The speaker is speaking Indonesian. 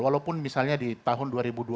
walaupun misalnya di tahun dua ribu dua puluh